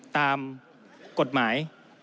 ตามกฎหมาย